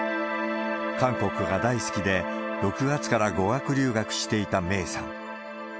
韓国が大好きで、６月から語学留学していた芽生さん。